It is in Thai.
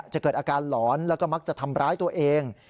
จะเกิดอาการหลอนแล้วก็มักจะทำร้ายตัวเอง